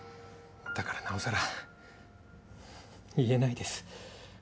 だからなおさら言えないです。